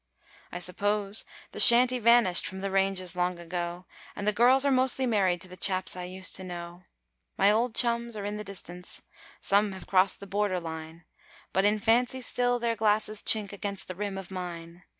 I suppose the Shanty vanished from the ranges long ago, And the girls are mostly married to the chaps I used to know; My old chums are in the distance some have crossed the border line, But in fancy still their glasses chink against the rim of mine.